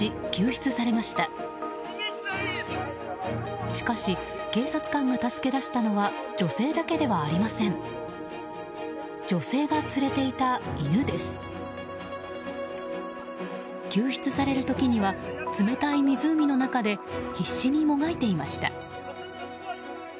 救出される時には冷たい湖野中で必死にもがいていました。